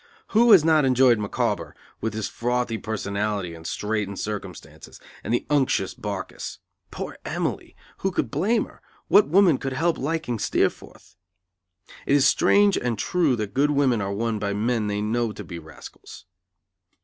Who has not enjoyed Micawber, with his frothy personality and straitened circumstances, and the unctuous Barkis. Poor Emily! Who could blame her? What woman could help liking Steerforth? It is strange and true that good women are won by men they know to be rascals.